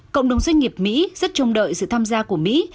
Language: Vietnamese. cộng đồng doanh nghiệp mỹ rất trông đợi sự tham gia của mỹ